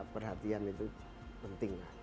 perhatian itu penting